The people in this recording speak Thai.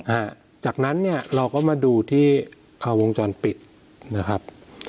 อ่าจากนั้นเนี่ยเราก็มาดูที่ข่าววงจรปิดนะครับ